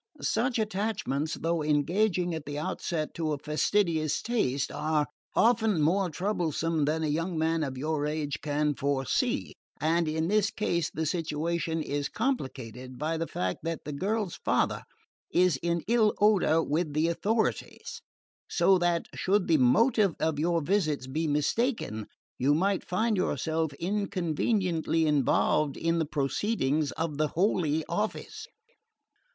Such attachments, though engaging at the outset to a fastidious taste, are often more troublesome than a young man of your age can foresee; and in this case the situation is complicated by the fact that the girl's father is in ill odour with the authorities, so that, should the motive of your visits be mistaken, you might find yourself inconveniently involved in the proceedings of the Holy Office."